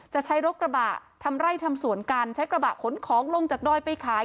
ใช้รถกระบะทำไร่ทำสวนกันใช้กระบะขนของลงจากดอยไปขาย